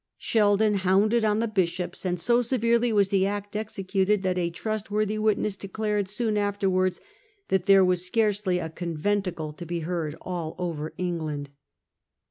Sheldon hounded on the Bishops, and so severely was the Act executed that a trustworthy witness declared soon after wards that there was scarcely a conventicle to be heard of all over England.